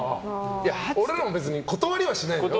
俺らも断りはしないよ？